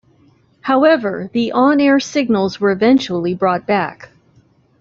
However, the on-air signals were eventually brought back.